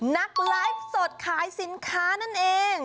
นักไลฟ์สดขายสินค้านั่นเอง